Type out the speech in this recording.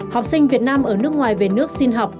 học sinh việt nam ở nước ngoài về nước xin học